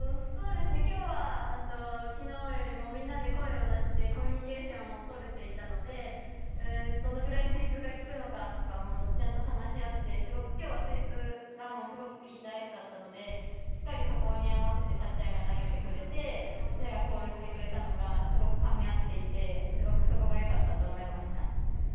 きょうはきのうよりもみんなで声を出してコミュニケーションをとれていたのでどのぐらいスイープが効くのかとかちゃんと話し合って、すごくきょうはスイープがすごく効いたアイスだったのでしっかりそこに合わせてさっちゃんが投げてくれてコールしてくれたのがかみ合っていてそこがよかったと思いました。